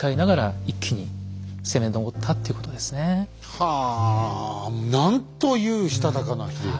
はあなんというしたたかな秀吉。